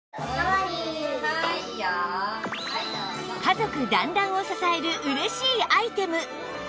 家族団らんを支える嬉しいアイテム！